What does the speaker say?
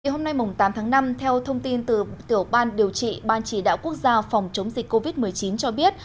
hôm nay tám tháng năm theo thông tin từ tiểu ban điều trị ban chỉ đạo quốc gia phòng chống dịch covid một mươi chín cho biết